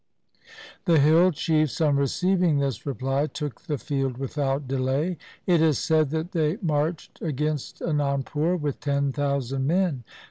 The hill chiefs on receiving this reply took the field without delay. It is said that they marched against Anandpur with ten thousand men.